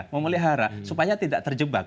memelihara supaya tidak terjebak